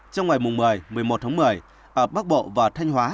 trong ngày một mươi một mươi một một mươi ở bắc bộ và thanh hóa